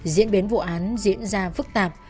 diễn biến vụ án diễn ra phức tạp